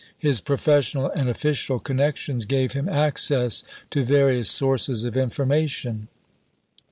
His professional and official connections gave him access to various sources of information.